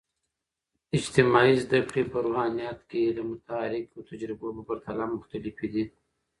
اجتماعي زده کړې په روحانيات کې د متحرک تجربو په پرتله مختلفې دي.